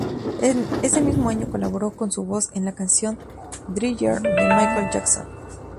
Ese mismo año colaboró con su voz en la canción "Thriller", de Michael Jackson.